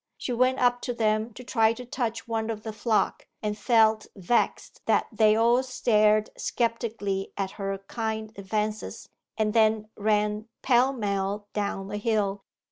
She went up to them to try to touch one of the flock, and felt vexed that they all stared sceptically at her kind advances, and then ran pell mell down the hill.